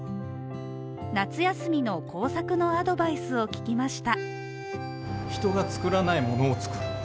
夏休みの工作のアドバイスを聞きました。